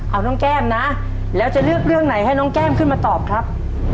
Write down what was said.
เอาน้องแก้มนะแล้วจะเลือกเรื่องไหนให้น้องแก้มขึ้นมาตอบครับ